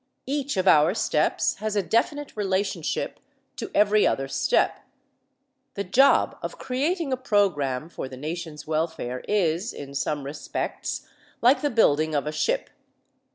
Each of our steps has a definite relationship to every other step. The job of creating a program for the nation's welfare is, in some respects, like the building of a ship.